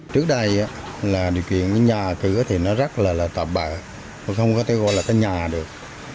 trước đây là điều kiện nhà cửa thì nó rất là tạm bợ không có thể gọi là cái nhà được